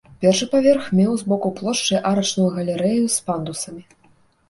Першы паверх меў з боку плошчы арачную галерэю з пандусамі.